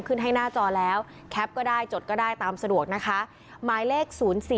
ขึ้นให้หน้าจอแล้วแคปก็ได้จดก็ได้ตามสะดวกนะคะหมายเลข๐๔